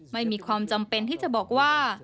ไม่มีความจำเป็นที่จะบอกว่า